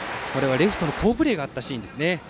レフトの好プレーがあったシーンですね。